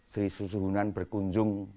sri susuhunan berkunjung